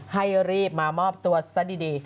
ให้รีบมามอบตัวซะดี